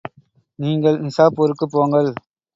நீங்கள் நிசாப்பூருக்குப் போங்கள்.